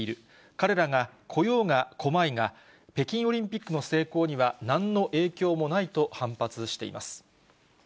彼らが来ようが来まいが、北京オリンピックの成功には、なんの影響もないと反発しています。